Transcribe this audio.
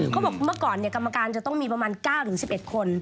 เขาบอกเมื่อก่อนกรรมการจะต้องมีประมาณ๙๑๑คน